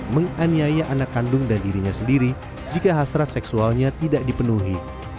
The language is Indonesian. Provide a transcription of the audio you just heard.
menganiaya anak kandung dan dirinya sendiri jika hasrat seksualnya tidak dipenuhi